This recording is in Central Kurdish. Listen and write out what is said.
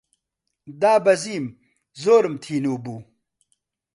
دابەزیم، زۆرم تینوو بوو